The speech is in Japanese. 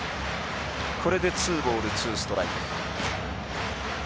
これでツーボールツーストライク。